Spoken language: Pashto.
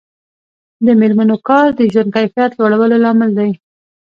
د میرمنو کار د ژوند کیفیت لوړولو لامل دی.